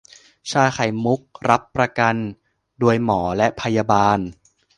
ชาไข่มุก รับประกันโดยหมอและพยาบาล